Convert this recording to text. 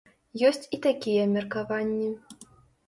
Ёсць і такія меркаванні.